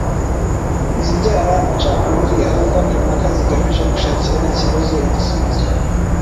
izibyara amacakubiri ahubwo ni impaka zigamije gushakira ikibazo igisubizo